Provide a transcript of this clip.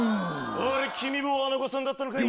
あれ君も穴子さんだったのかい？